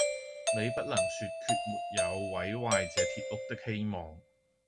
你不能說決沒有毀壞這鐵屋的希望。”